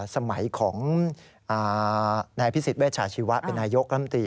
สมัยของนายพิสิทธเวชาชีวะเป็นนายกรัมตรี